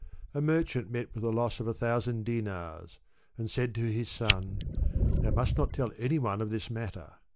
A merchant met with the loss of a thousand dinarsi and said to his son, '' Thou must not tell any one of this matter."